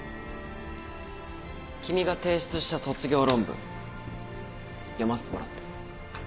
君が提出した卒業論文読ませてもらった。